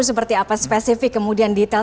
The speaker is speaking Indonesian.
seperti apa spesifik kemudian detail